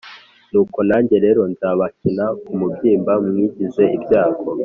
Nuko nanjye rero nzabakina ku mubyimba mwagize ibyago,